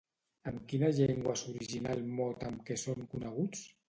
En quina llengua s'originà el mot amb què són coneguts?